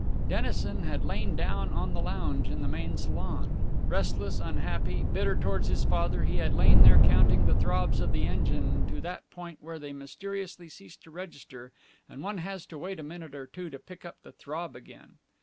Dennison had lain down on the lounge in the main salon. Restless, unhappy, bitter toward his father, he had lain there counting the throbs of the engine to that point where they mysteriously cease to register and one has to wait a minute or two to pick up the throb again.